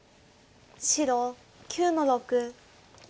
白９の六。